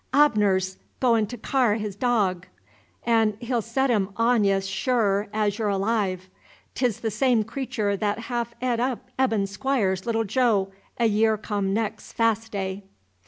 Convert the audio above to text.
"Ahbner 's go'n' to car' his dog, 'n' he'll set him on ye'z sure 'z y' 'r' alive. 'T's the same cretur that haaf eat up Eben Squires's little Jo, a year come nex' Faast day."